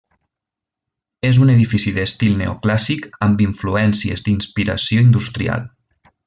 És un edifici d'estil neoclàssic amb influències d'inspiració industrial.